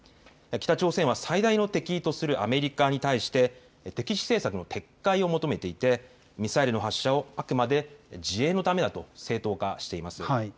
北朝鮮は最大の敵とするアメリカに対して敵視政策の撤回を求めていてミサイルの発射をあくまで自衛のためだと正当化しています。